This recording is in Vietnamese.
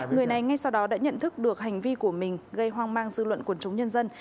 người này ngay sau đó đã nhận thức được hành vi của mình gây hoang mang dư luận quần chúng nhân dân